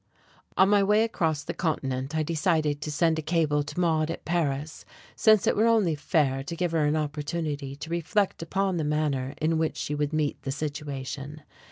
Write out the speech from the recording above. On my way across the continent I decided to send a cable to Maude at Paris, since it were only fair to give her an opportunity to reflect upon the manner in which she would meet the situation.